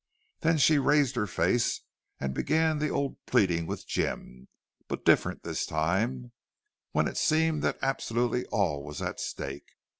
Then she raised her face and began the old pleading with Jim, but different this time, when it seemed that absolutely all was at stake.